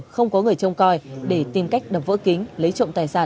không có người trông coi để tìm cách đập vỡ kính lấy trộm tài sản